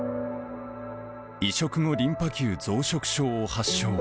移植後、リンパ球増殖症を発症。